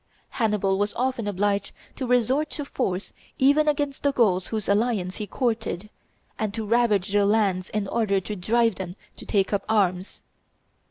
Hannibal was often obliged to resort to force even against the Gauls whose alliance he courted, and to ravage their lands in order to drive them to take up arms.